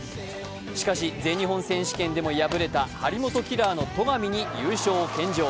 しかし、全日本選手権でも敗れた張本キラーの戸上に優勝を献上。